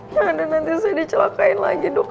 ya anda nanti saya dicelakain lagi dok